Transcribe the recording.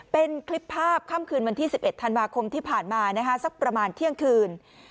เป็นคลิปภาพค่ำคืนวันที่๑๑ธันวาคมที่ผ่านมาสักประมาณเที่ยงคืน